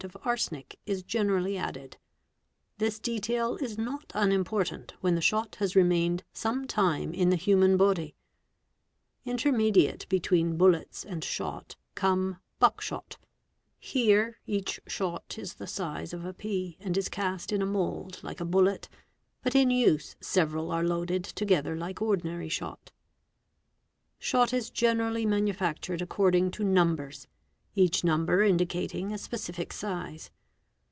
of arsenic is generally added; this detail is not unimportant when the shot has remained sometime in the "human body. Intermediate between bullets and shot, come buckshot; _ here each shot is of the size of a pea and is cast in a mould like a bullet, _ but in use several are loaded together like ordinary shot. Shot is generally manufactured according to numbers, each number Indicating a specific size.